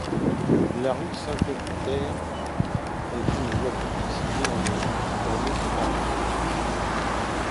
La rue Saint-Éleuthère est une voie publique située dans le de Paris.